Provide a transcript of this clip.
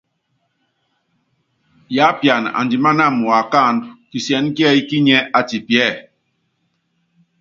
Yiápian andimáná uákáandú, kisiɛ́nɛ́ kíɛ́yi kínyiɛ́ atipiɛ́.